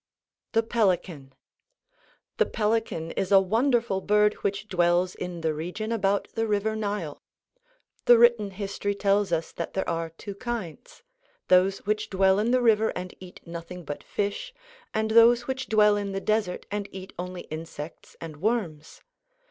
THE PELICAN The pelican is a wonderful bird which dwells in the region about the river Nile. The written history tells us that there are two kinds, those which dwell in the river and eat nothing but fish, and those which dwell in the desert and eat only insects and worms.